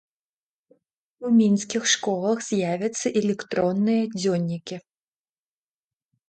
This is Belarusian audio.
У мінскіх школах з'явяцца электронныя дзённікі.